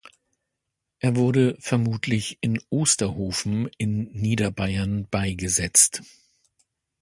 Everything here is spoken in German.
Er wurde vermutlich in Osterhofen in Niederbayern beigesetzt.